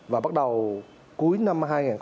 và bắt đầu cuối năm hai nghìn hai mươi ba